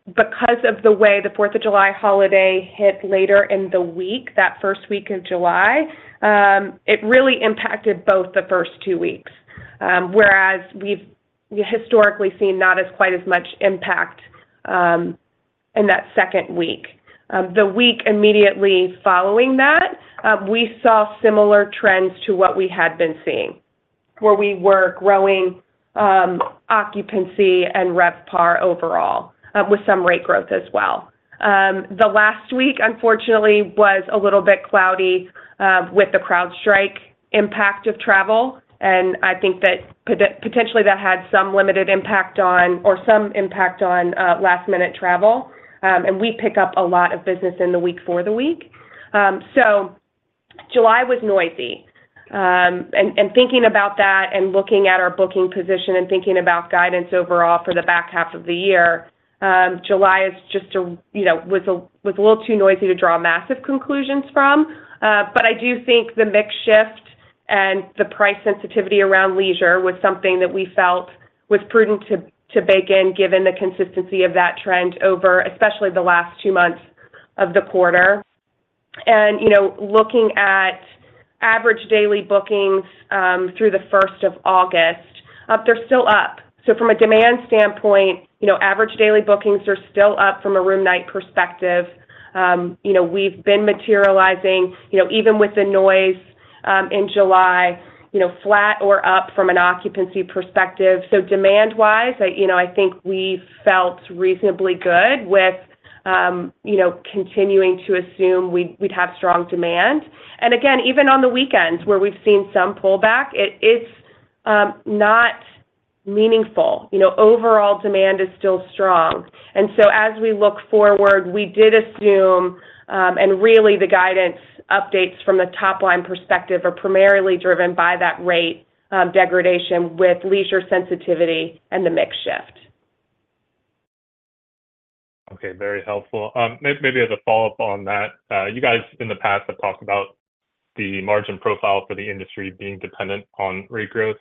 because of the way the Fourth of July holiday hit later in the week, that first week of July, it really impacted both the first two weeks. Whereas we've historically seen not as quite as much impact, in that second week. The week immediately following that, we saw similar trends to what we had been seeing... where we were growing, occupancy and RevPAR overall, with some rate growth as well. The last week, unfortunately, was a little bit cloudy, with the CrowdStrike impact of travel, and I think that potentially that had some limited impact on or some impact on, last-minute travel. And we pick up a lot of business in the week for the week. So July was noisy. Thinking about that and looking at our booking position and thinking about guidance overall for the back half of the year, July was a little too noisy to draw massive conclusions from. But I do think the mix shift and the price sensitivity around leisure was something that we felt was prudent to bake in, given the consistency of that trend over, especially the last two months of the quarter. You know, looking at average daily bookings through the first of August, they're still up. So from a demand standpoint, you know, average daily bookings are still up from a room night perspective. You know, we've been materializing, you know, even with the noise in July, you know, flat or up from an occupancy perspective. So demand-wise, I, you know, I think we felt reasonably good with, you know, continuing to assume we'd have strong demand. And again, even on the weekends where we've seen some pullback, it's not meaningful. You know, overall demand is still strong. And so as we look forward, we did assume, and really, the guidance updates from a top-line perspective are primarily driven by that rate degradation with leisure sensitivity and the mix shift. Okay, very helpful. Maybe as a follow-up on that, you guys, in the past, have talked about the margin profile for the industry being dependent on rate growth.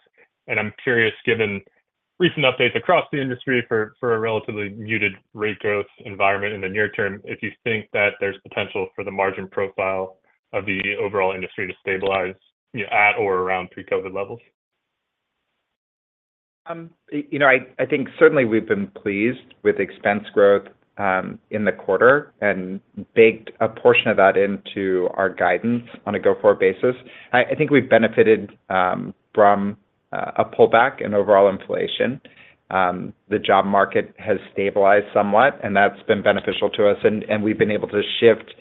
And I'm curious, given recent updates across the industry for a relatively muted rate growth environment in the near term, if you think that there's potential for the margin profile of the overall industry to stabilize, you know, at or around pre-COVID levels? You know, I think certainly we've been pleased with expense growth in the quarter and baked a portion of that into our guidance on a go-forward basis. I think we've benefited from a pullback in overall inflation. The job market has stabilized somewhat, and that's been beneficial to us, and we've been able to shift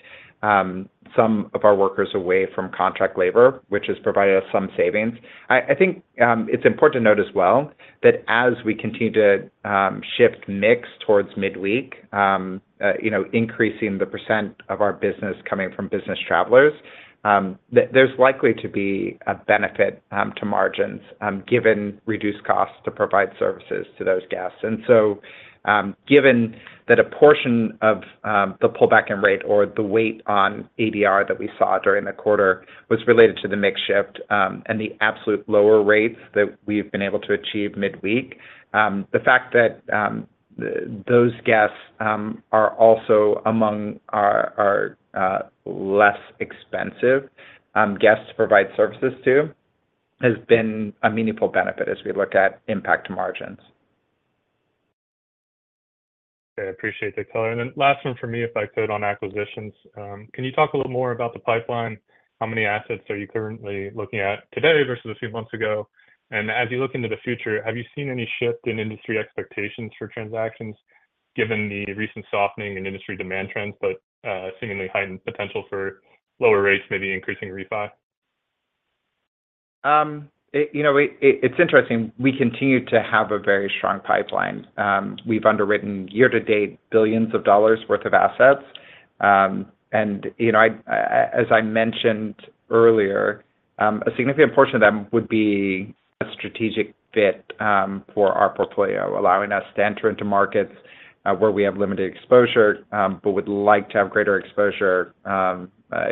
some of our workers away from contract labor, which has provided us some savings. I think it's important to note as well that as we continue to shift mix towards midweek, you know, increasing the percent of our business coming from business travelers, there's likely to be a benefit to margins given reduced costs to provide services to those guests. And so, given that a portion of the pullback in rate or the weight on ADR that we saw during the quarter was related to the mix shift, and the absolute lower rates that we've been able to achieve midweek, the fact that those guests are also among our our less expensive guests provide services to, has been a meaningful benefit as we look at impact to margins. I appreciate the color. And then last one for me, if I could, on acquisitions. Can you talk a little more about the pipeline? How many assets are you currently looking at today versus a few months ago? And as you look into the future, have you seen any shift in industry expectations for transactions, given the recent softening in industry demand trends, but seemingly heightened potential for lower rates, maybe increasing refi? You know, it's interesting. We continue to have a very strong pipeline. We've underwritten year to date, $ billions worth of assets. And, you know, as I mentioned earlier, a significant portion of them would be a strategic fit, for our portfolio, allowing us to enter into markets, where we have limited exposure, but would like to have greater exposure,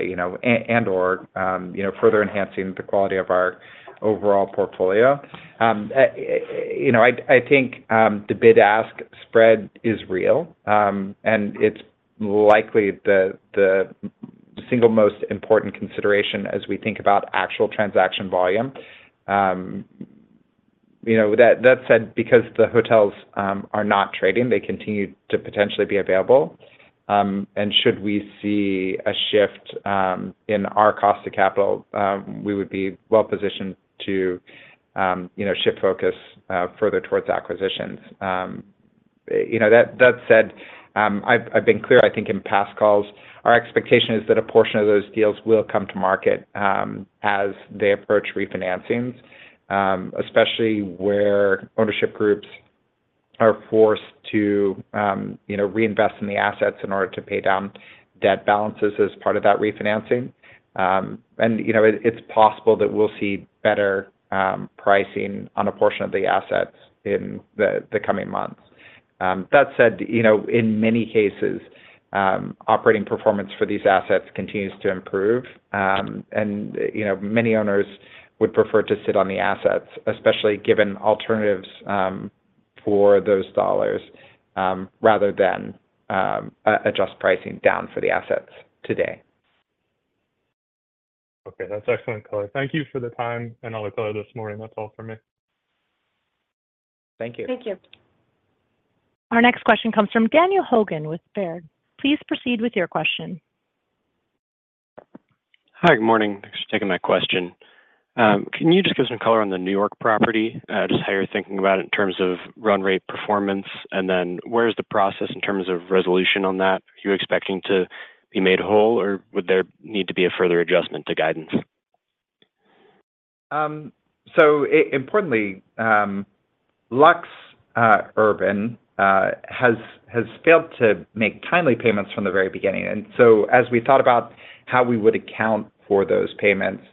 you know, and, and/or, you know, further enhancing the quality of our overall portfolio. You know, I think, the bid-ask spread is real, and it's likely the single most important consideration as we think about actual transaction volume. You know, that said, because the hotels are not trading, they continue to potentially be available. Should we see a shift in our cost of capital, we would be well positioned to, you know, shift focus further towards acquisitions. You know, that said, I've been clear, I think in past calls, our expectation is that a portion of those deals will come to market as they approach refinancings, especially where ownership groups are forced to, you know, reinvest in the assets in order to pay down debt balances as part of that refinancing. You know, it's possible that we'll see better pricing on a portion of the assets in the coming months. That said, you know, in many cases, operating performance for these assets continues to improve. You know, many owners would prefer to sit on the assets, especially given alternatives for those dollars, rather than adjust pricing down for the assets today. Okay. That's excellent color. Thank you for the time and all the color this morning. That's all for me.... Thank you. Thank you. Our next question comes from Daniel Hogan with Baird. Please proceed with your question. Hi, good morning. Thanks for taking my question. Can you just give some color on the New York property? Just how you're thinking about it in terms of run rate performance, and then where's the process in terms of resolution on that? Are you expecting to be made whole, or would there need to be a further adjustment to guidance? So, importantly, LuxUrban has failed to make timely payments from the very beginning, and so as we thought about how we would account for those payments,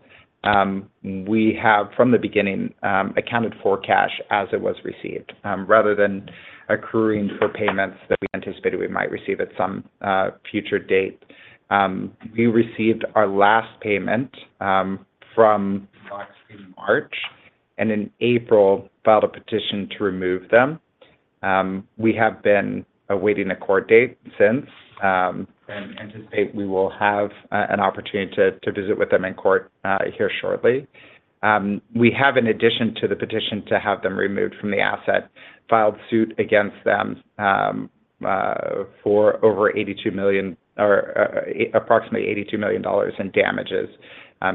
we have, from the beginning, accounted for cash as it was received, rather than accruing for payments that we anticipated we might receive at some future date. We received our last payment from LuxUrban in March, and in April, filed a petition to remove them. We have been awaiting a court date since, and anticipate we will have an opportunity to visit with them in court here shortly. We have, in addition to the petition to have them removed from the asset, filed suit against them, for over $82 million or approximately $82 million in damages,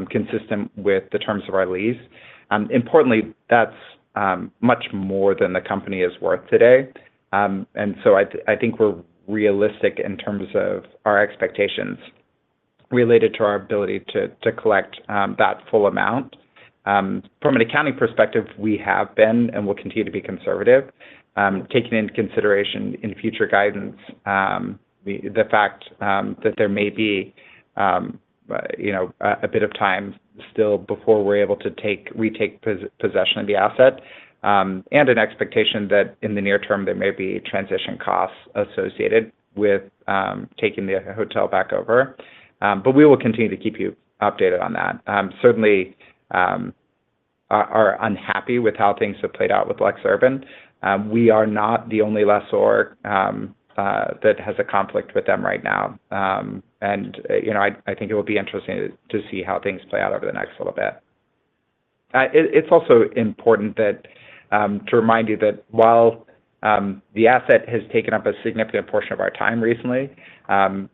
consistent with the terms of our lease. Importantly, that's much more than the company is worth today. And so I think we're realistic in terms of our expectations related to our ability to collect that full amount. From an accounting perspective, we have been and will continue to be conservative, taking into consideration in future guidance the fact that there may be, you know, a bit of time still before we're able to retake possession of the asset, and an expectation that in the near term there may be transition costs associated with taking the hotel back over. But we will continue to keep you updated on that. Certainly, we are unhappy with how things have played out with LuxUrban. We are not the only lessor that has a conflict with them right now. And, you know, I think it will be interesting to see how things play out over the next little bit. It's also important that to remind you that while the asset has taken up a significant portion of our time recently,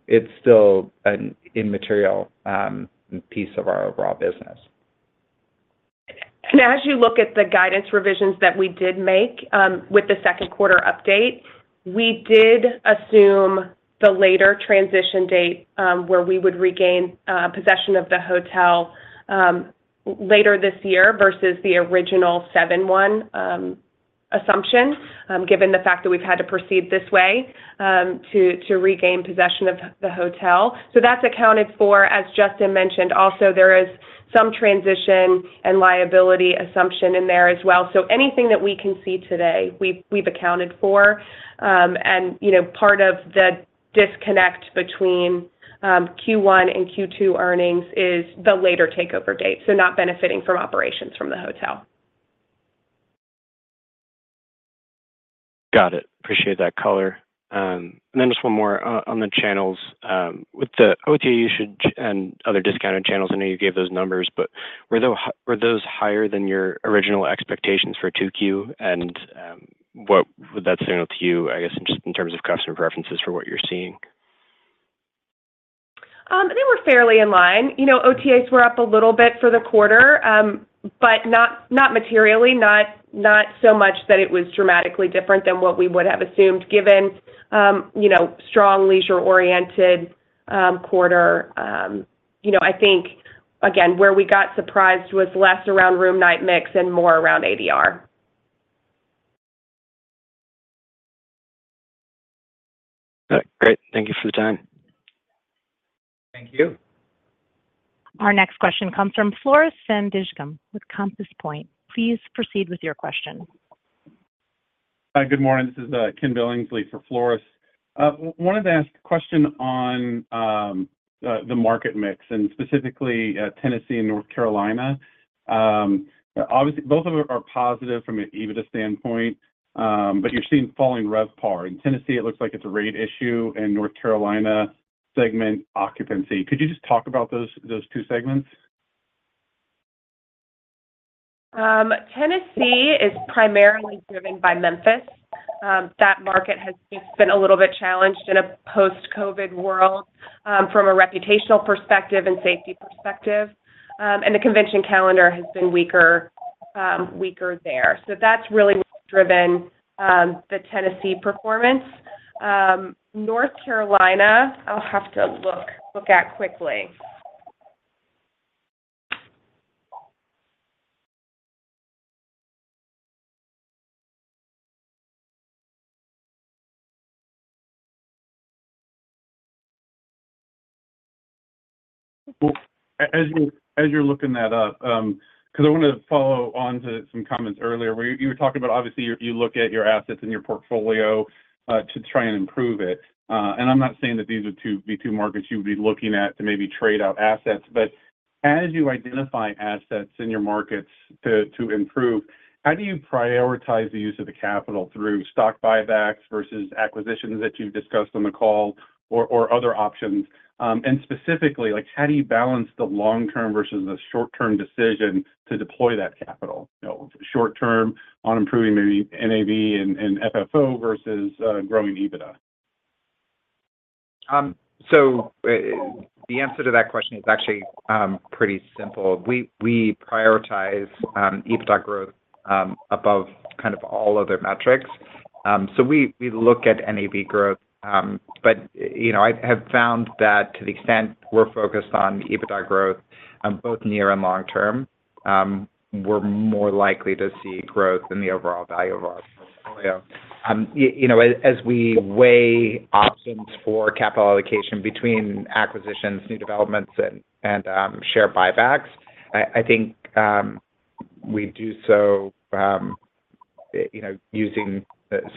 it's still an immaterial piece of our overall business. As you look at the guidance revisions that we did make, with the second quarter update, we did assume the later transition date, where we would regain possession of the hotel later this year versus the original 7/1 assumption, given the fact that we've had to proceed this way to regain possession of the hotel. So that's accounted for, as Justin mentioned. Also, there is some transition and liability assumption in there as well. So anything that we can see today, we've accounted for. You know, part of the disconnect between Q1 and Q2 earnings is the later takeover date, so not benefiting from operations from the hotel. Got it. Appreciate that color. And then just one more on the channels. With the OTA usage and other discounted channels, I know you gave those numbers, but were those higher than your original expectations for 2Q? And, what would that signal to you, I guess, in terms of customer preferences for what you're seeing? They were fairly in line. You know, OTAs were up a little bit for the quarter, but not materially, not so much that it was dramatically different than what we would have assumed, given, you know, strong leisure-oriented quarter. You know, I think, again, where we got surprised was less around room night mix and more around ADR. Great. Thank you for the time. Thank you. Our next question comes from Floris van Dijkum with Compass Point. Please proceed with your question. Hi, good morning. This is Ken Billingsley for Floris. Wanted to ask a question on the market mix, and specifically, Tennessee and North Carolina. Obviously, both of them are positive from an EBITDA standpoint, but you're seeing falling RevPAR. In Tennessee, it looks like it's a rate issue, in North Carolina segment, occupancy. Could you just talk about those two segments? Tennessee is primarily driven by Memphis. That market has just been a little bit challenged in a post-COVID world, from a reputational perspective and safety perspective, and the convention calendar has been weaker, weaker there. So that's really driven the Tennessee performance. North Carolina, I'll have to look at quickly. Well, as you're looking that up, 'cause I wanted to follow on to some comments earlier, where you were talking about, obviously, you look at your assets and your portfolio to try and improve it. And I'm not saying that these are two – the two markets you would be looking at to maybe trade out assets, but as you identify assets in your markets to improve, how do you prioritize the use of the capital through stock buybacks versus acquisitions that you've discussed on the call or other options? And specifically, like, how do you balance the long-term versus the short-term decision to deploy that capital? You know, short term on improving maybe NAV and FFO versus growing EBITDA.... So, the answer to that question is actually pretty simple. We prioritize EBITDA growth above kind of all other metrics. So we look at NAV growth, but you know, I have found that to the extent we're focused on EBITDA growth, both near and long term, we're more likely to see growth in the overall value of our portfolio. You know, as we weigh options for capital allocation between acquisitions, new developments, and share buybacks, I think we do so, you know, using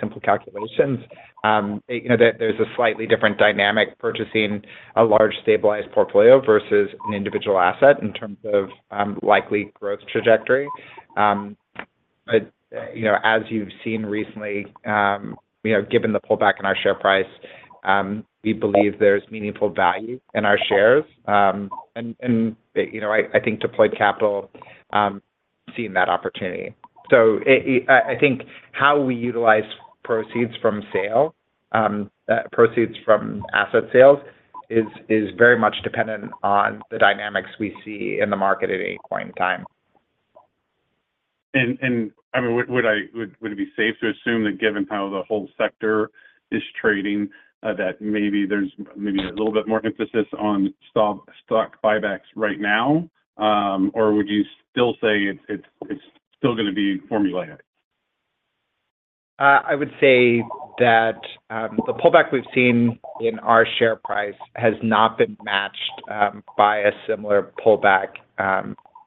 simple calculations. You know, there's a slightly different dynamic purchasing a large stabilized portfolio versus an individual asset in terms of likely growth trajectory. But, you know, as you've seen recently, you know, given the pullback in our share price, we believe there's meaningful value in our shares. And you know, I think deployed capital, seeing that opportunity. So I think how we utilize proceeds from sale, proceeds from asset sales is very much dependent on the dynamics we see in the market at any point in time. I mean, would it be safe to assume that given how the whole sector is trading, that maybe there's a little bit more emphasis on stock buybacks right now? Or would you still say it's still gonna be formulaic? I would say that the pullback we've seen in our share price has not been matched by a similar pullback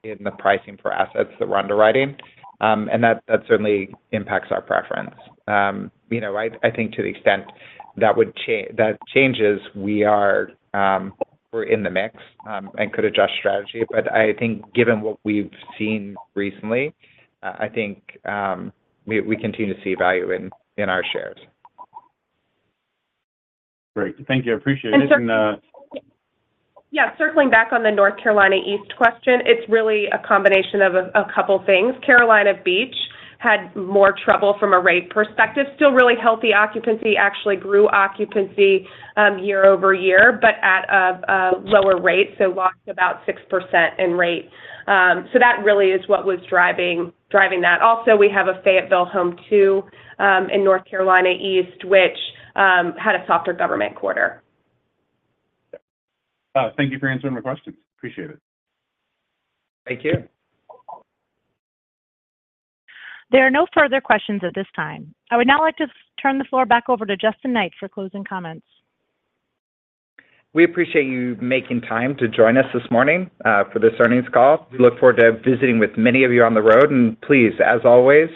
in the pricing for assets that we're underwriting. That certainly impacts our preference. You know, I think to the extent that changes, we are, we're in the mix and could adjust strategy. But I think given what we've seen recently, I think we continue to see value in our shares. Great. Thank you. I appreciate it. And cir- And, uh- Yeah, circling back on the North Carolina East question, it's really a combination of a couple things. Carolina Beach had more trouble from a rate perspective. Still really healthy occupancy. Actually grew occupancy year-over-year, but at a lower rate, so lost about 6% in rate. So that really is what was driving that. Also, we have a Fayetteville Home2 too in North Carolina East, which had a softer government quarter. Thank you for answering my questions. Appreciate it. Thank you. There are no further questions at this time. I would now like to turn the floor back over to Justin Knight for closing comments. We appreciate you making time to join us this morning for this earnings call. We look forward to visiting with many of you on the road. Please, as always,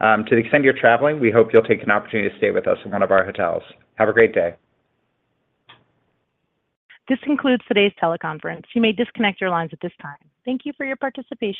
to the extent you're traveling, we hope you'll take an opportunity to stay with us in one of our hotels. Have a great day. This concludes today's teleconference. You may disconnect your lines at this time. Thank you for your participation.